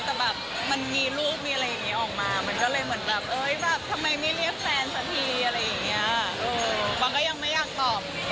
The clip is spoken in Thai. แต่แบบมันมีรูปมีอะไรอย่างเงี้ยออกมา